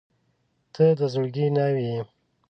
• ته د زړګي ناوې یې.